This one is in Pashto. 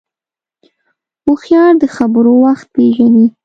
هوښیار د خبرو وخت پېژني